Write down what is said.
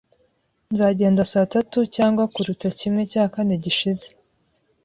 Nzagenda saa tatu, cyangwa kuruta kimwe cya kane gishize.